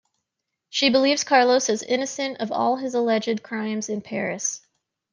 She believes Carlos is innocent of all his alleged crimes in Paris.